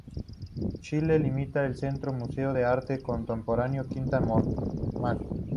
Chile Limita al centro, Museo de Arte Contemporáneo_ Quinta Normal.